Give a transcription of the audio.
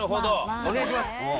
お願いします